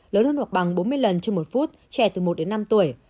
lớn hơn hoặc bằng bốn mươi lần trong một phút trẻ từ một đến năm tuổi